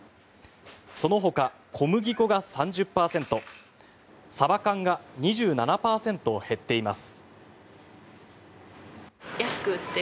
そのほか、小麦粉が３０％サバ缶が２７％減っています。